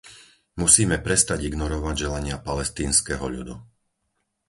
Musíme prestať ignorovať želania palestínskeho ľudu.